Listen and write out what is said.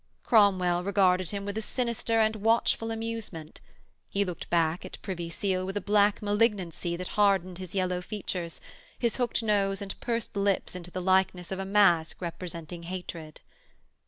Cromwell regarded him with a sinister and watchful amusement; he looked back at Privy Seal with a black malignancy that hardened his yellow features, his hooked nose and pursed lips into the likeness of a mask representing hatred.